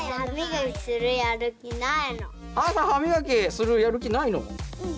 朝歯みがきするやる気ないの？